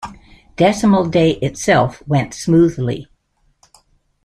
Decimal Day itself went smoothly.